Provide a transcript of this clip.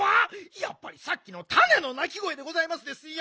やっぱりさっきのたねのなきごえでございますですよ！